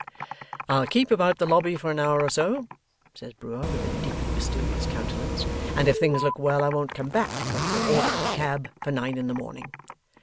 'I'll keep about the lobby for an hour or so,' says Brewer, with a deeply mysterious countenance, 'and if things look well, I won't come back, but will order my cab for nine in the morning.